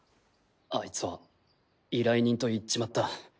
アイツは依頼人と行っちまった。